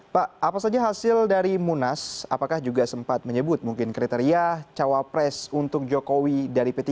pak apa saja hasil dari munas apakah juga sempat menyebut mungkin kriteria cawapres untuk jokowi dari p tiga